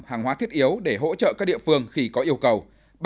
hàng hóa thiết yếu để hỗ trợ các địa phương khi có yêu cầu